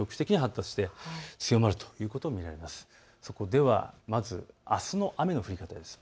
では、まずあすの雨の降り方です。